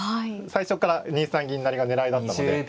最初から２三銀成が狙いだったので。